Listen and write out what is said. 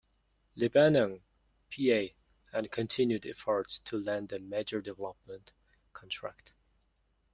Lebanon, Pa., and continued efforts to land a major development contract.